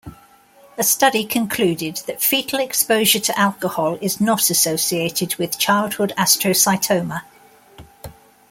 A study concluded that foetal exposure to alcohol is not associated with childhood astrocytoma.